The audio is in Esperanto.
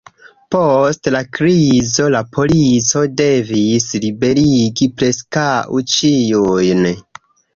Post la krizo, la polico devis liberigi preskaŭ ĉiujn.